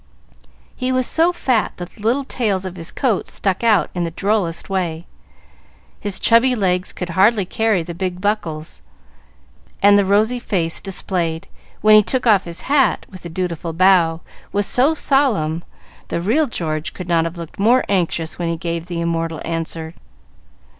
He was so fat that the little tails of his coat stuck out in the drollest way, his chubby legs could hardly carry the big buckles, and the rosy face displayed, when he took his hat off with a dutiful bow, was so solemn, the real George could not have looked more anxious when he gave the immortal answer.